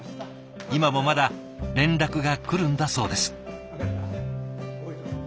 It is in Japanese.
今もまだ連絡が来るんだそうです。